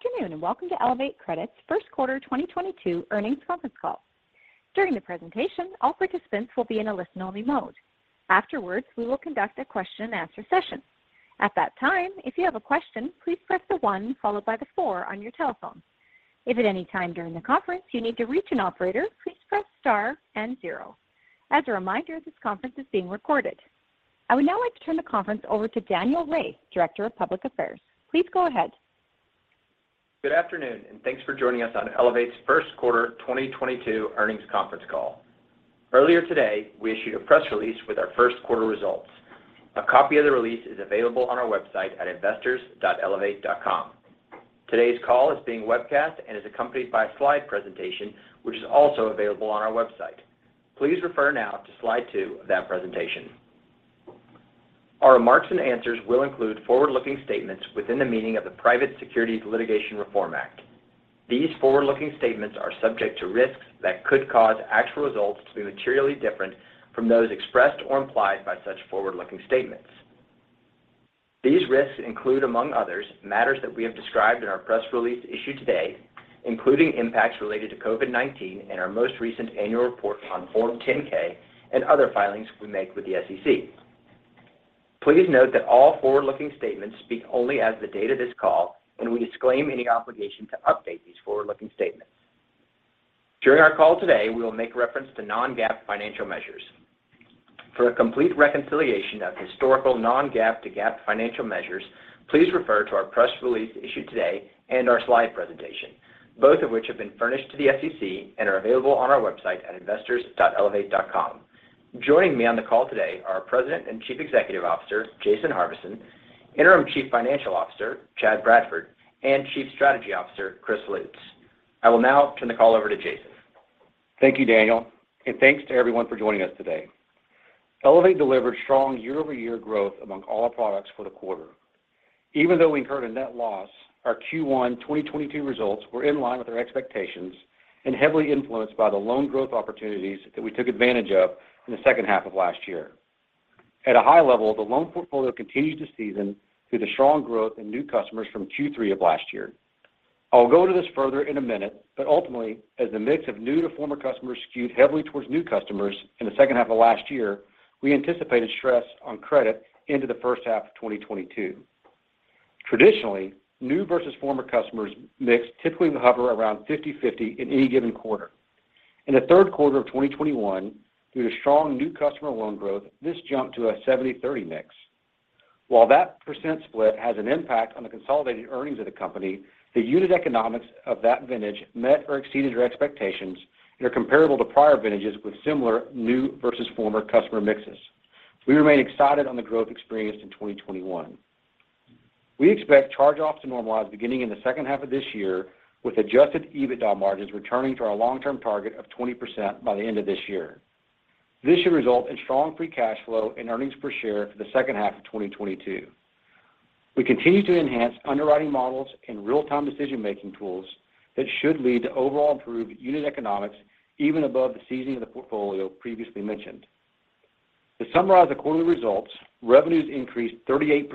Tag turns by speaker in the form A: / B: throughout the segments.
A: Good afternoon, and welcome to Elevate Credit's first quarter 2022 earnings conference call. During the presentation, all participants will be in a listen-only mode. Afterwards, we will conduct a question-and-answer session. At that time, if you have a question, please press the one followed by the four on your telephone. If at any time during the conference you need to reach an operator, please press star and zero. As a reminder, this conference is being recorded. I would now like to turn the conference over to Daniel Rhea, Director of Public Affairs. Please go ahead.
B: Good afternoon, and thanks for joining us on Elevate's first quarter 2022 earnings conference call. Earlier today, we issued a press release with our first quarter results. A copy of the release is available on our website at investors.elevate.com. Today's call is being webcast and is accompanied by a slide presentation, which is also available on our website. Please refer now to slide 2 of that presentation. Our remarks and answers will include forward-looking statements within the meaning of the Private Securities Litigation Reform Act. These forward-looking statements are subject to risks that could cause actual results to be materially different from those expressed or implied by such forward-looking statements. These risks include, among others, matters that we have described in our press release issued today, including impacts related to COVID-19 and our most recent annual report on Form 10-K and other filings we make with the SEC. Please note that all forward-looking statements speak only as of the date of this call, and we disclaim any obligation to update these forward-looking statements. During our call today, we will make reference to non-GAAP financial measures. For a complete reconciliation of historical non-GAAP to GAAP financial measures, please refer to our press release issued today and our slide presentation, both of which have been furnished to the SEC and are available on our website at investors.elevate.com. Joining me on the call today are President and Chief Executive Officer, Jason Harvison, Interim Chief Financial Officer, Chad Bradford, and Chief Strategy Officer, Chris Lutes. I will now turn the call over to Jason.
C: Thank you, Daniel, and thanks to everyone for joining us today. Elevate delivered strong year-over-year growth among all products for the quarter. Even though we incurred a net loss, our Q1 2022 results were in line with our expectations and heavily influenced by the loan growth opportunities that we took advantage of in the second half of last year. At a high level, the loan portfolio continues to season through the strong growth in new customers from Q3 of last year. I'll go into this further in a minute, but ultimately, as the mix of new to former customers skewed heavily towards new customers in the second half of last year, we anticipated stress on credit into the first half of 2022. Traditionally, new versus former customers mix typically will hover around 50-50 in any given quarter. In the third quarter of 2021, due to strong new customer loan growth, this jumped to a 70/30 mix. While that percent split has an impact on the consolidated earnings of the company, the unit economics of that vintage met or exceeded their expectations and are comparable to prior vintages with similar new versus former customer mixes. We remain excited on the growth experienced in 2021. We expect charge-offs to normalize beginning in the second half of this year with adjusted EBITDA margins returning to our long-term target of 20% by the end of this year. This should result in strong free cash flow and earnings per share for the second half of 2022. We continue to enhance underwriting models and real-time decision-making tools that should lead to overall improved unit economics even above the seasoning of the portfolio previously mentioned. To summarize the quarterly results, revenues increased 38%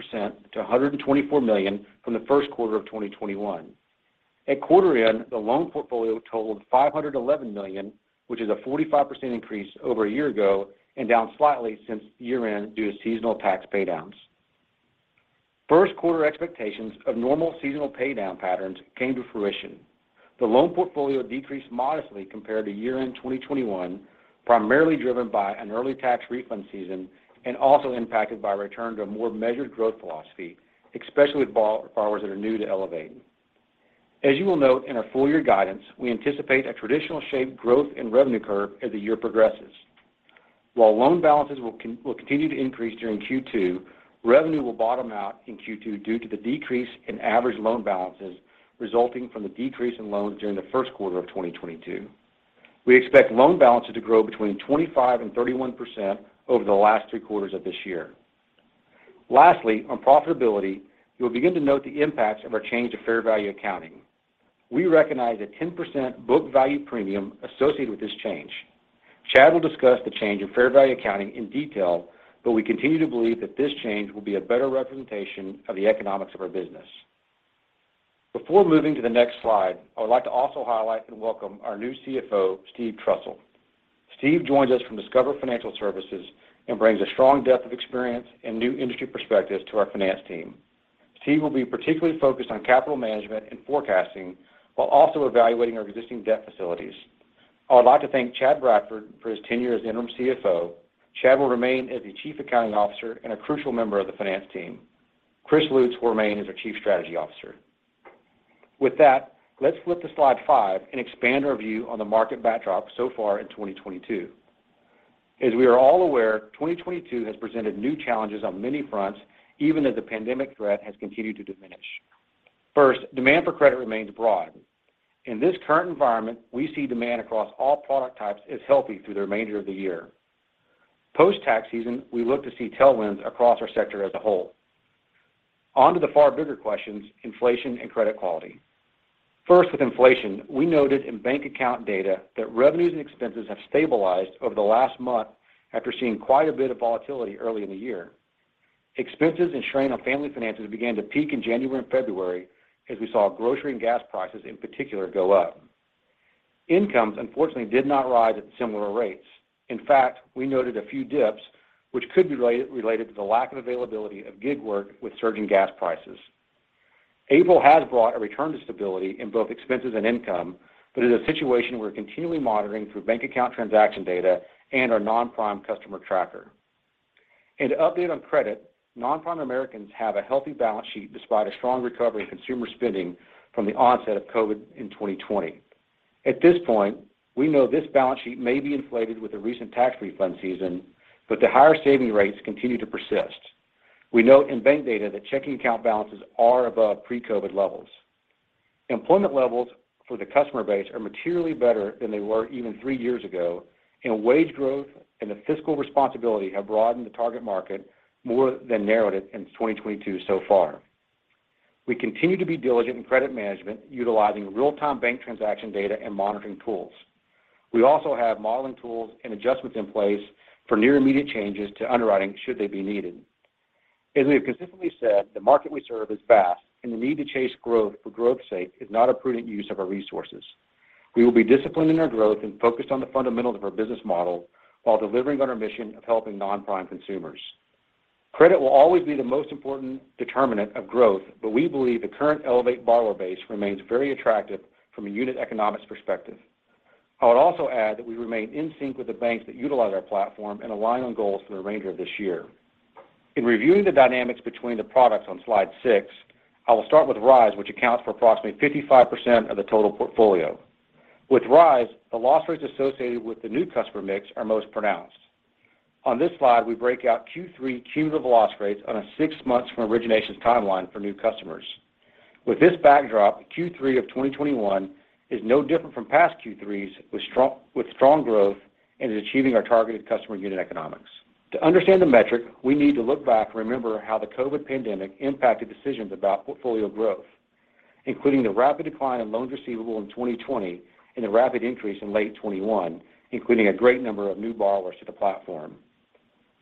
C: to $124 million from the first quarter of 2021. At quarter end, the loan portfolio totaled $511 million, which is a 45% increase over a year ago and down slightly since year-end due to seasonal tax paydowns. First quarter expectations of normal seasonal paydown patterns came to fruition. The loan portfolio decreased modestly compared to year-end 2021, primarily driven by an early tax refund season, and also impacted by a return to a more measured growth philosophy, especially with borrowers that are new to Elevate. As you will note in our full year guidance, we anticipate a traditional shaped growth in revenue curve as the year progresses. While loan balances will continue to increase during Q2, revenue will bottom out in Q2 due to the decrease in average loan balances resulting from the decrease in loans during the first quarter of 2022. We expect loan balances to grow between 25% and 31% over the last three quarters of this year. Lastly, on profitability, you'll begin to note the impacts of our change of fair value accounting. We recognize a 10% book value premium associated with this change. Chad will discuss the change in fair value accounting in detail, but we continue to believe that this change will be a better representation of the economics of our business. Before moving to the next slide, I would like to also highlight and welcome our new CFO, Steve Trussell. Steve joins us from Discover Financial Services and brings a strong depth of experience and new industry perspective to our finance team. Steve will be particularly focused on capital management and forecasting while also evaluating our existing debt facilities. I would like to thank Chad Bradford for his tenure as interim CFO. Chad will remain as the Chief Accounting Officer and a crucial member of the finance team. Chris Lutes will remain as our Chief Strategy Officer. With that, let's flip to slide 5 and expand our view on the market backdrop so far in 2022. As we are all aware, 2022 has presented new challenges on many fronts, even as the pandemic threat has continued to diminish. First, demand for credit remains broad. In this current environment, we see demand across all product types as healthy through the remainder of the year. Post-tax season, we look to see tailwinds across our sector as a whole. On to the far bigger questions, inflation and credit quality. First, with inflation. We noted in bank account data that revenues and expenses have stabilized over the last month after seeing quite a bit of volatility early in the year. Expenses and strain on family finances began to peak in January and February as we saw grocery and gas prices in particular go up. Incomes, unfortunately, did not rise at similar rates. In fact, we noted a few dips which could be related to the lack of availability of gig work with surging gas prices. April has brought a return to stability in both expenses and income, but it is a situation we're continually monitoring through bank account transaction data and our non-prime customer tracker. To update on credit, non-prime Americans have a healthy balance sheet despite a strong recovery in consumer spending from the onset of COVID-19 in 2020. At this point, we know this balance sheet may be inflated with the recent tax refund season, but the higher saving rates continue to persist. We note in bank data that checking account balances are above pre-COVID-19 levels. Employment levels for the customer base are materially better than they were even three years ago, and wage growth and the fiscal responsibility have broadened the target market more than narrowed it in 2022 so far. We continue to be diligent in credit management, utilizing real-time bank transaction data and monitoring tools. We also have modeling tools and adjustments in place for near immediate changes to underwriting should they be needed. As we have consistently said, the market we serve is vast, and the need to chase growth for growth's sake is not a prudent use of our resources. We will be disciplined in our growth and focused on the fundamentals of our business model while delivering on our mission of helping non-prime consumers. Credit will always be the most important determinant of growth, but we believe the current Elevate borrower base remains very attractive from a unit economics perspective. I would also add that we remain in sync with the banks that utilize our platform and align on goals for the remainder of this year. In reviewing the dynamics between the products on slide six, I will start with RISE, which accounts for approximately 55% of the total portfolio. With RISE, the loss rates associated with the new customer mix are most pronounced. On this slide, we break out Q3 cumulative loss rates on a six months from originations timeline for new customers. With this backdrop, Q3 of 2021 is no different from past Q3s with strong growth and is achieving our targeted customer unit economics. To understand the metric, we need to look back and remember how the COVID pandemic impacted decisions about portfolio growth, including the rapid decline in loans receivable in 2020 and the rapid increase in late 2021, including a great number of new borrowers to the platform.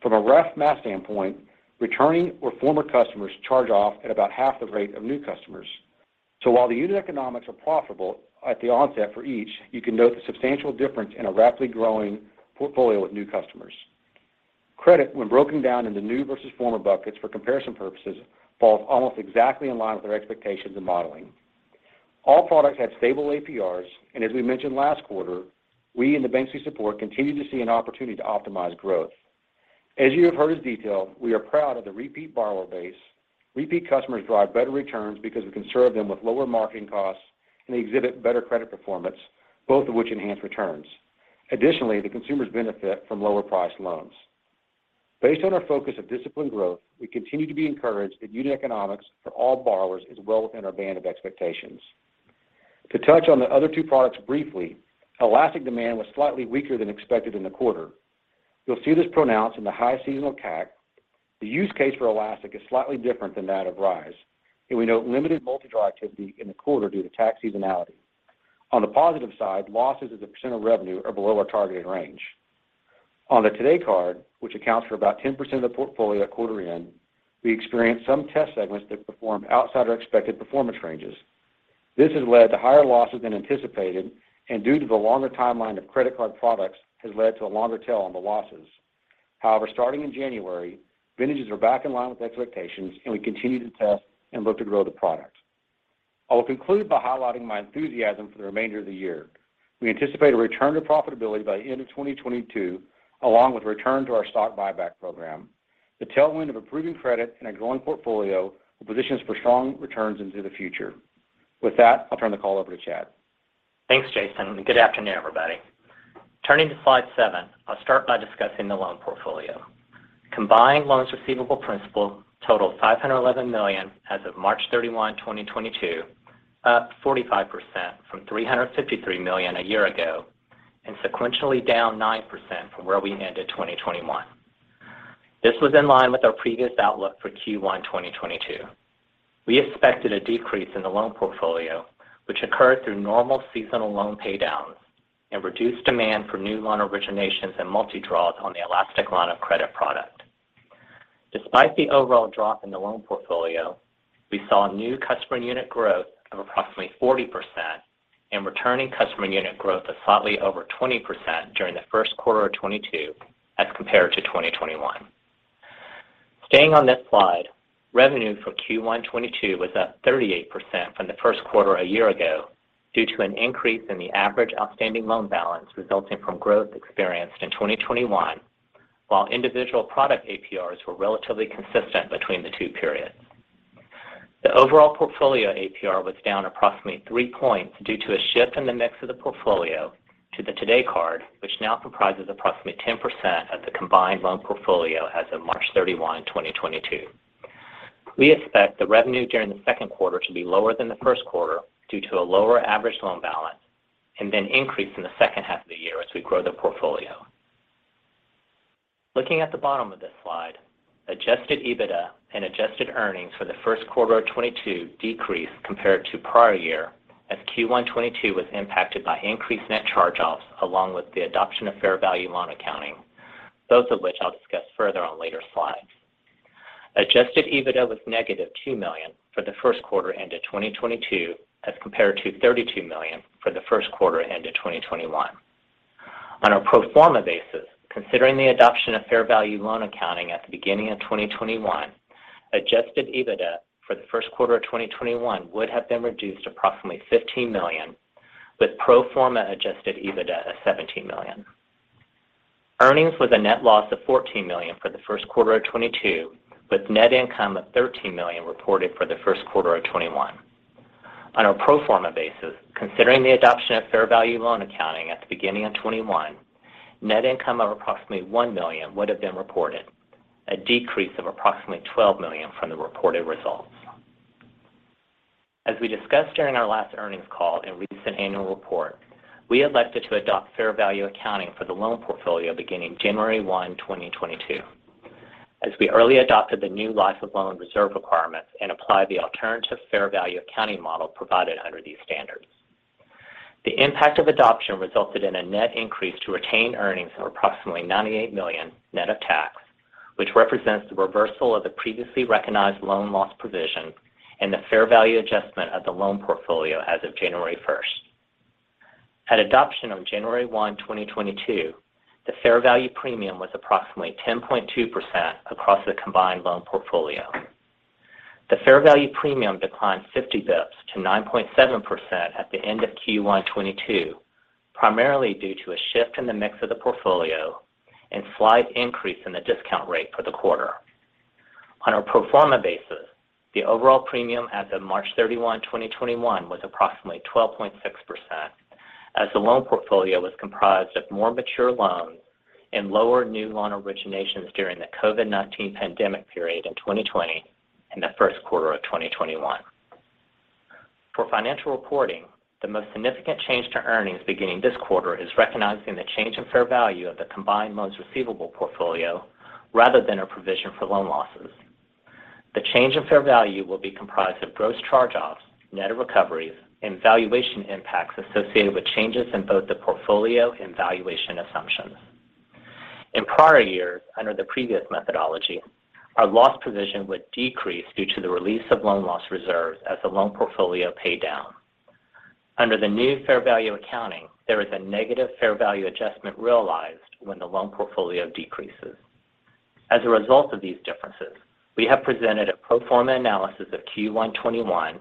C: From a rough math standpoint, returning or former customers charge off at about half the rate of new customers. While the unit economics are profitable at the onset for each, you can note the substantial difference in a rapidly growing portfolio with new customers. Credit, when broken down into new versus former buckets for comparison purposes, falls almost exactly in line with our expectations and modeling. All products have stable APRs, and as we mentioned last quarter, we and the banks we support continue to see an opportunity to optimize growth. As you have heard us detail, we are proud of the repeat borrower base. Repeat customers drive better returns because we can serve them with lower marketing costs and they exhibit better credit performance, both of which enhance returns. Additionally, the consumers benefit from lower-priced loans. Based on our focus of disciplined growth, we continue to be encouraged that unit economics for all borrowers is well within our band of expectations. To touch on the other two products briefly, Elastic demand was slightly weaker than expected in the quarter. You'll see this pronounced in the high seasonal CAC. The use case for Elastic is slightly different than that of RISE, and we note limited multi-draw activity in the quarter due to tax seasonality. On the positive side, losses as a % of revenue are below our targeted range. On the Today Card, which accounts for about 10% of the portfolio at quarter end, we experienced some test segments that performed outside our expected performance ranges. This has led to higher losses than anticipated and due to the longer timeline of credit card products, has led to a longer tail on the losses. However, starting in January, vintages are back in line with expectations, and we continue to test and look to grow the product. I will conclude by highlighting my enthusiasm for the remainder of the year. We anticipate a return to profitability by the end of 2022 along with return to our stock buyback program. The tailwind of improving credit and a growing portfolio positions for strong returns into the future. With that, I'll turn the call over to Chad.
D: Thanks, Jason, and good afternoon, everybody. Turning to slide 7, I'll start by discussing the loan portfolio. Combined loans receivable principal totaled $511 million as of March 31, 2022, up 45% from $353 million a year ago, and sequentially down 9% from where we ended 2021. This was in line with our previous outlook for Q1 2022. We expected a decrease in the loan portfolio, which occurred through normal seasonal loan pay downs and reduced demand for new loan originations and multi-draws on the Elastic line of credit product. Despite the overall drop in the loan portfolio, we saw new customer unit growth of approximately 40% and returning customer unit growth of slightly over 20% during the first quarter of 2022 as compared to 2021. Staying on this slide, revenue for Q1 2022 was up 38% from the first quarter a year ago due to an increase in the average outstanding loan balance resulting from growth experienced in 2021, while individual product APRs were relatively consistent between the two periods. The overall portfolio APR was down approximately 3 points due to a shift in the mix of the portfolio to the Today Card, which now comprises approximately 10% of the combined loan portfolio as of March 31, 2022. We expect the revenue during the second quarter to be lower than the first quarter due to a lower average loan balance, and then increase in the second half of the year as we grow the portfolio. Looking at the bottom of this slide, adjusted EBITDA and adjusted earnings for the first quarter of 2022 decreased compared to prior year as Q1 2022 was impacted by increased net charge-offs along with the adoption of fair value loan accounting, both of which I'll discuss further on later slides. Adjusted EBITDA was -$2 million for the first quarter ended 2022 as compared to $32 million for the first quarter ended 2021. On a pro forma basis, considering the adoption of fair value loan accounting at the beginning of 2021, adjusted EBITDA for the first quarter of 2021 would have been reduced approximately $15 million, with pro forma adjusted EBITDA of $17 million. Earnings was a net loss of $14 million for the first quarter of 2022, with net income of $13 million reported for the first quarter of 2021. On a pro forma basis, considering the adoption of fair value loan accounting at the beginning of 2021, net income of approximately $1 million would have been reported, a decrease of approximately $12 million from the reported results. As we discussed during our last earnings call and recent annual report, we elected to adopt fair value accounting for the loan portfolio beginning January 1, 2022, as we early adopted the new life of loan reserve requirements and applied the alternative fair value accounting model provided under these standards. The impact of adoption resulted in a net increase to retained earnings of approximately $98 million net of tax, which represents the reversal of the previously recognized loan loss provision and the fair value adjustment of the loan portfolio as of January 1. At adoption on January 1, 2022, the fair value premium was approximately 10.2% across the combined loan portfolio. The fair value premium declined 50 basis points to 9.7% at the end of Q1 2022, primarily due to a shift in the mix of the portfolio and slight increase in the discount rate for the quarter. On a pro forma basis, the overall premium as of March 31, 2021 was approximately 12.6%, as the loan portfolio was comprised of more mature loans and lower new loan originations during the COVID-19 pandemic period in 2020 and the first quarter of 2021. For financial reporting, the most significant change to earnings beginning this quarter is recognizing the change in fair value of the combined loans receivable portfolio rather than a provision for loan losses. The change in fair value will be comprised of gross charge-offs, net of recoveries, and valuation impacts associated with changes in both the portfolio and valuation assumptions. In prior years, under the previous methodology, our loss provision would decrease due to the release of loan loss reserves as the loan portfolio paid down. Under the new fair value accounting, there is a negative fair value adjustment realized when the loan portfolio decreases. As a result of these differences, we have presented a pro forma analysis of Q1 2021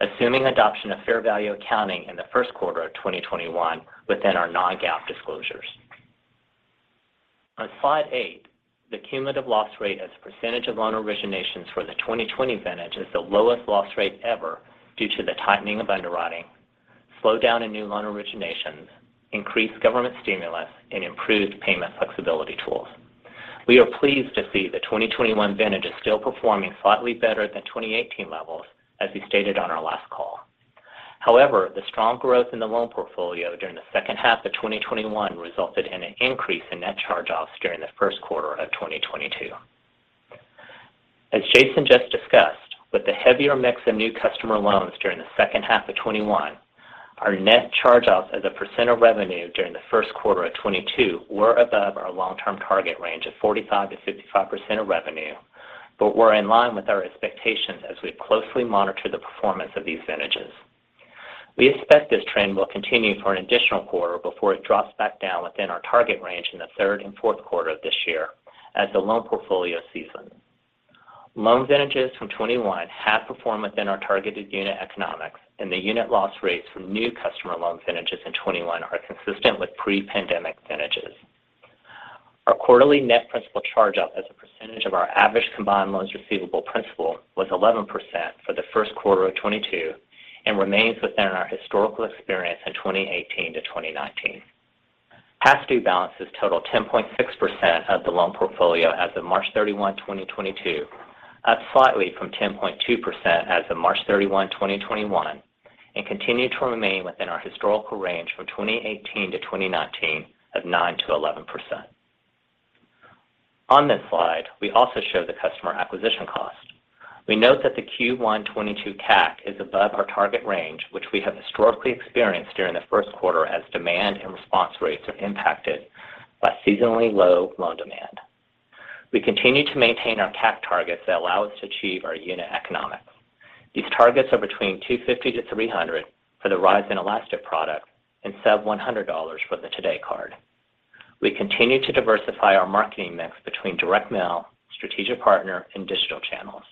D: assuming adoption of fair value accounting in the first quarter of 2021 within our non-GAAP disclosures. On slide 8, the cumulative loss rate as a percentage of loan originations for the 2020 vintage is the lowest loss rate ever due to the tightening of underwriting, slowdown in new loan originations, increased government stimulus, and improved payment flexibility tools. We are pleased to see the 2021 vintage is still performing slightly better than 2018 levels, as we stated on our last call. However, the strong growth in the loan portfolio during the second half of 2021 resulted in an increase in net charge-offs during the first quarter of 2022. As Jason just discussed, with the heavier mix of new customer loans during the second half of 2021, our net charge-offs as a percent of revenue during the first quarter of 2022 were above our long-term target range of 45%-55% of revenue, but were in line with our expectations as we closely monitor the performance of these vintages. We expect this trend will continue for an additional quarter before it drops back down within our target range in the third and fourth quarter of this year as the loan portfolio seasons. Loan vintages from 2021 have performed within our targeted unit economics, and the unit loss rates from new customer loan vintages in 2021 are consistent with pre-pandemic vintages. Our quarterly net principal charge-off as a percentage of our average combined loans receivable principal was 11% for the first quarter of 2022 and remains within our historical experience in 2018 to 2019. Past due balances total 10.6% of the loan portfolio as of March 31, 2022, up slightly from 10.2% as of March 31, 2021, and continue to remain within our historical range from 2018 to 2019 of 9%-11%. On this slide, we also show the customer acquisition cost. We note that the Q1 2022 CAC is above our target range, which we have historically experienced during the first quarter as demand and response rates are impacted by seasonally low loan demand. We continue to maintain our CAC targets that allow us to achieve our unit economics. These targets are between $250-$300 for the RISE and Elastic products and sub $100 for the Today Card. We continue to diversify our marketing mix between direct mail, strategic partner, and digital channels.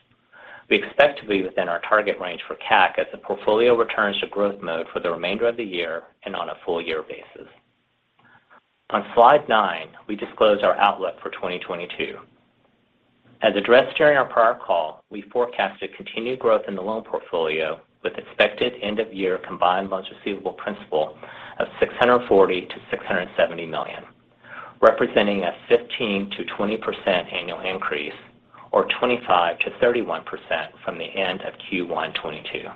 D: We expect to be within our target range for CAC as the portfolio returns to growth mode for the remainder of the year and on a full year basis. On slide 9, we disclose our outlook for 2022. As addressed during our prior call, we forecasted continued growth in the loan portfolio with expected end-of-year combined loans receivable principal of $640 million-$670 million, representing a 15%-20% annual increase or 25%-31% from the end of Q1 2022.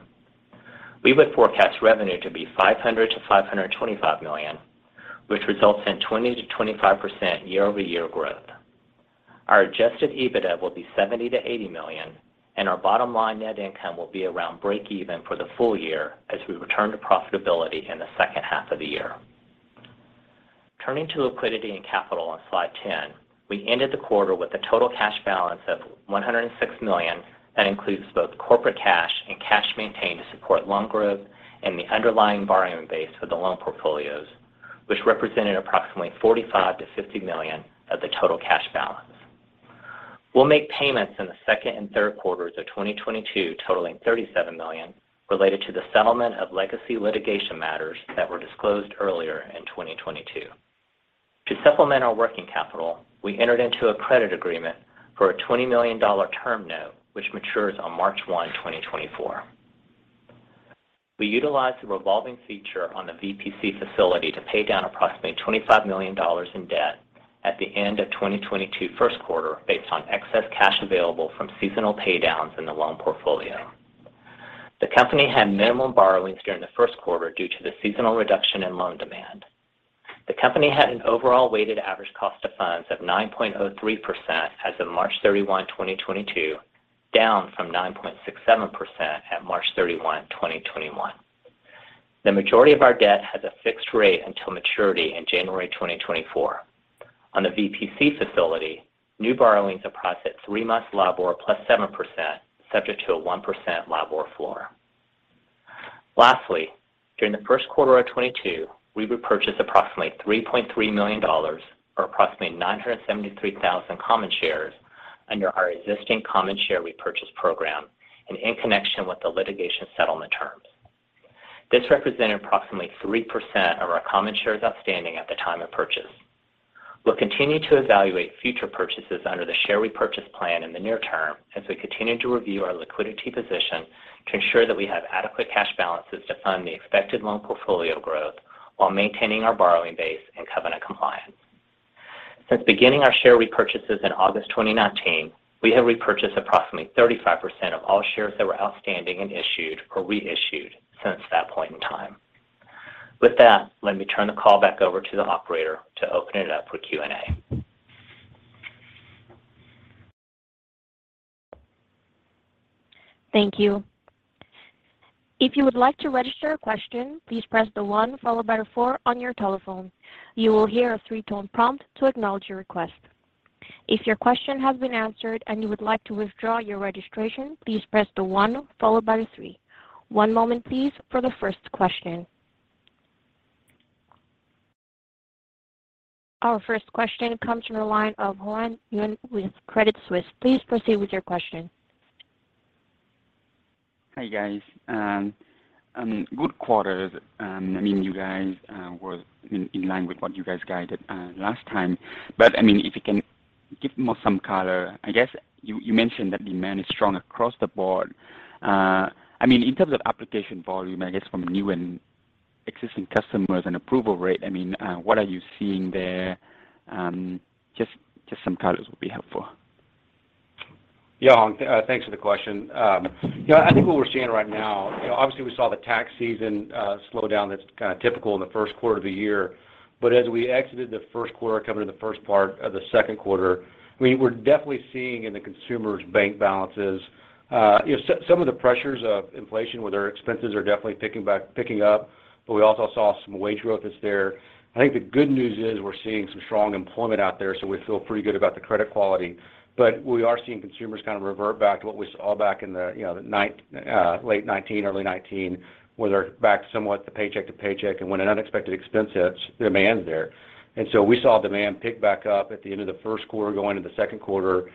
D: We would forecast revenue to be $500 million-$525 million, which results in 20%-25% year-over-year growth. Our adjusted EBITDA will be $70 million-$80 million, and our bottom line net income will be around breakeven for the full year as we return to profitability in the second half of the year. Turning to liquidity and capital on slide 10, we ended the quarter with a total cash balance of $106 million. That includes both corporate cash and cash maintained to support loan growth and the underlying borrowing base for the loan portfolios, which represented approximately $45 million-$50 million of the total cash balance. We'll make payments in the second and third quarters of 2022 totaling $37 million related to the settlement of legacy litigation matters that were disclosed earlier in 2022. To supplement our working capital, we entered into a credit agreement for a $20 million term note which matures on March 1, 2024. We utilized the revolving feature on the VPC facility to pay down approximately $25 million in debt at the end of 2022 first quarter based on excess cash available from seasonal paydowns in the loan portfolio. The company had minimal borrowings during the first quarter due to the seasonal reduction in loan demand. The company had an overall weighted average cost of funds of 9.03% as of March 31, 2022, down from 9.67% at March 31, 2021. The majority of our debt has a fixed rate until maturity in January 2024. On the VPC facility, new borrowings are priced at 3-month LIBOR plus 7%, subject to a 1% LIBOR floor. Lastly, during the first quarter of 2022, we repurchased approximately $3.3 million, or approximately 973,000 common shares under our existing common share repurchase program and in connection with the litigation settlement terms. This represented approximately 3% of our common shares outstanding at the time of purchase. We'll continue to evaluate future purchases under the share repurchase plan in the near term as we continue to review our liquidity position to ensure that we have adequate cash balances to fund the expected loan portfolio growth while maintaining our borrowing base and covenant compliance. Since beginning our share repurchases in August 2019, we have repurchased approximately 35% of all shares that were outstanding and issued or reissued since that point in time. With that, let me turn the call back over to the operator to open it up for Q&A.
A: Thank you. If you would like to register a question, please press 1 followed by 4 on your telephone. You will hear a 3-tone prompt to acknowledge your request. If your question has been answered and you would like to withdraw your registration, please press 1 followed by 3. One moment please for the first question. Our first question comes from the line of Hong Nguyen with Credit Suisse. Please proceed with your question.
E: Hi, guys. Good quarter. I mean, you guys were in line with what you guys guided last time. I mean, if you can give some more color. I guess you mentioned that demand is strong across the board. I mean, in terms of application volume, I guess from new and existing customers and approval rate, I mean, what are you seeing there? Just some color would be helpful.
C: Yeah, Hong. Thanks for the question. You know, I think what we're seeing right now, you know, obviously we saw the tax season slow down. That's kind of typical in the first quarter of the year. As we exited the first quarter coming to the first part of the second quarter, I mean, we're definitely seeing in the consumers' bank balances, you know, some of the pressures of inflation where their expenses are definitely picking up, but we also saw some wage growth that's there. I think the good news is we're seeing some strong employment out there, so we feel pretty good about the credit quality. We are seeing consumers kind of revert back to what we saw back in the late 2019, early 2020, where they're back somewhat to paycheck to paycheck. When an unexpected expense hits, demand's there. We saw demand pick back up at the end of the first quarter going into the second quarter.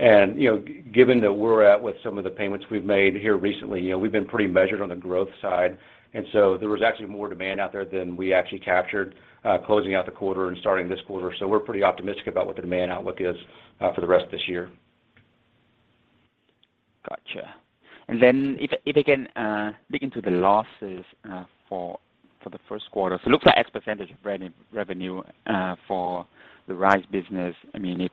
C: You know, given that we're ahead with some of the payments we've made here recently, you know, we've been pretty measured on the growth side. There was actually more demand out there than we actually captured, closing out the quarter and starting this quarter. We're pretty optimistic about what the demand outlook is, for the rest of this year.
E: Gotcha. If you can dig into the losses for the first quarter. It looks like X% of running revenue for the RISE business. I mean,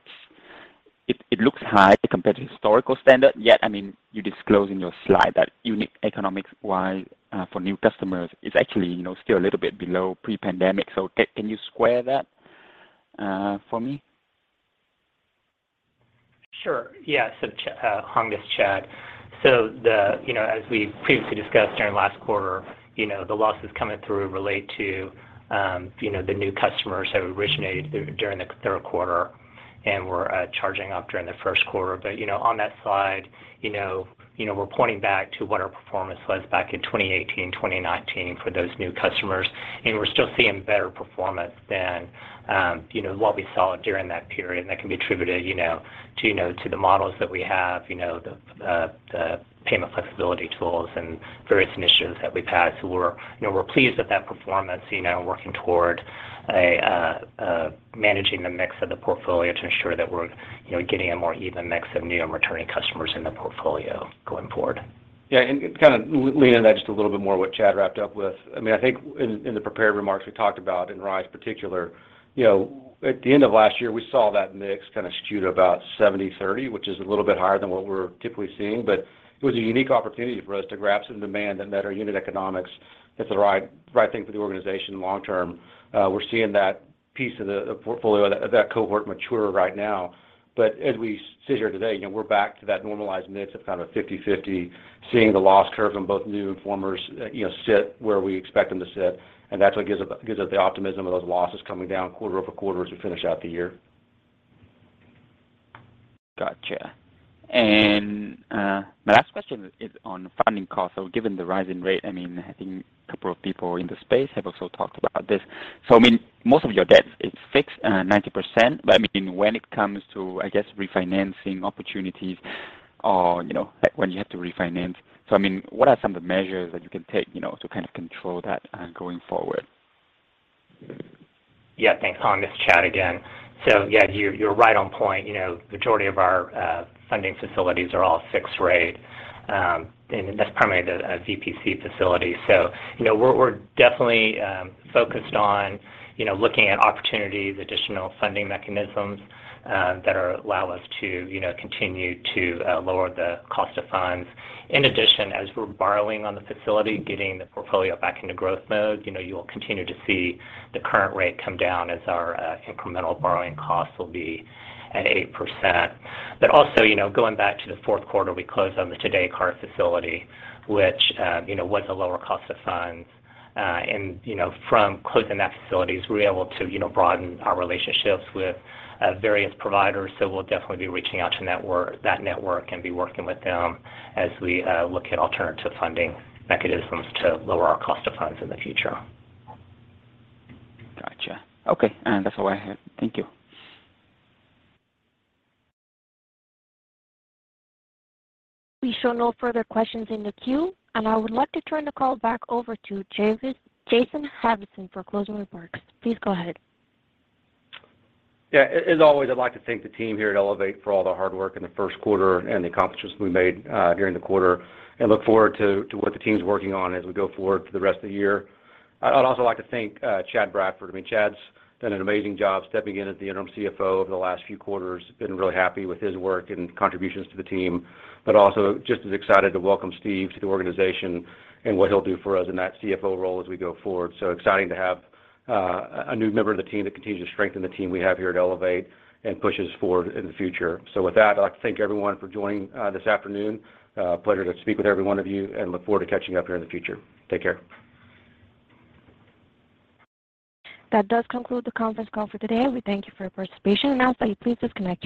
E: it looks high compared to historical standard, yet I mean, you disclose in your slide that unit economics while for new customers is actually you know still a little bit below pre-pandemic. Can you square that for me?
D: Sure. Yeah. Hong, it's Chad. You know, as we previously discussed during last quarter, you know, the losses coming through relate to, you know, the new customers that originated during the third quarter and were charging off during the first quarter. You know, on that slide, you know, you know, we're pointing back to what our performance was back in 2018, 2019 for those new customers, and we're still seeing better performance than, you know, what we saw during that period. That can be attributed, you know, to, you know, to the models that we have, you know, the payment flexibility tools and various initiatives that we've had. We're, you know, pleased with that performance, you know, working toward managing the mix of the portfolio to ensure that we're, you know, getting a more even mix of new and returning customers in the portfolio going forward.
C: Yeah, kind of leaning on that just a little bit more what Chad wrapped up with. I mean, I think in the prepared remarks we talked about in RISE particular. You know, at the end of last year, we saw that mix kind of skewed about 70/30, which is a little bit higher than what we're typically seeing. But it was a unique opportunity for us to grab some demand and better unit economics. It's the right thing for the organization long-term. We're seeing that piece of the portfolio, of that cohort mature right now. But as we sit here today, you know, we're back to that normalized mix of kind of 50/50, seeing the loss curve from both new and formers, you know, sit where we expect them to sit. That's what gives us the optimism of those losses coming down quarter-over-quarter as we finish out the year.
E: Gotcha. My last question is on funding costs. Given the rising rate, I mean, I think a couple of people in the space have also talked about this. I mean, most of your debt is fixed, 90%. I mean, when it comes to, I guess, refinancing opportunities or, you know, when you have to refinance. I mean, what are some of the measures that you can take, you know, to kind of control that going forward?
D: Yeah, thanks. This is Chad again. Yeah, you're right on point. You know, majority of our funding facilities are all fixed rate, and that's primarily the VPC facility. You know, we're definitely focused on looking at opportunities, additional funding mechanisms that allow us to continue to lower the cost of funds. In addition, as we're borrowing on the facility, getting the portfolio back into growth mode, you know, you'll continue to see the current rate come down as our incremental borrowing costs will be at 8%. Also, you know, going back to the fourth quarter, we closed on the Today Card facility, which you know was a lower cost of funds. And you know, from closing that facility, we're able to broaden our relationships with various providers. We'll definitely be reaching out to that network and be working with them as we look at alternative funding mechanisms to lower our cost of funds in the future.
E: Gotcha. Okay. That's all I have. Thank you.
A: We show no further questions in the queue. I would like to turn the call back over to Jason Harvison for closing remarks. Please go ahead.
C: Yeah. As always, I'd like to thank the team here at Elevate for all the hard work in the first quarter and the accomplishments we made during the quarter, and look forward to what the team's working on as we go forward for the rest of the year. I'd also like to thank Chad Bradford. I mean, Chad's done an amazing job stepping in as the interim CFO over the last few quarters. Been really happy with his work and contributions to the team, but also just as excited to welcome Steve to the organization and what he'll do for us in that CFO role as we go forward. Exciting to have a new member of the team that continues to strengthen the team we have here at Elevate and pushes forward in the future. With that, I'd like to thank everyone for joining this afternoon. Pleasure to speak with every one of you and look forward to catching up here in the future. Take care.
A: That does conclude the conference call for today. We thank you for your participation. Now please disconnect your lines.